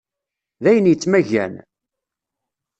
D ayen yettmaggan?